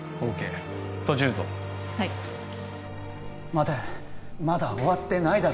待てまだ終わってないだろ